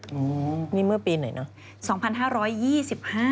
อืมนี่เมื่อปีไหนเนอะ